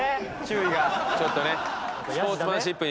ちょっとね。